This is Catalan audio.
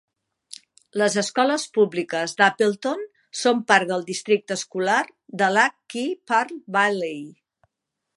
Les escoles públiques d'Appleton són part del districte escolar de Lac Qui Parle Valley.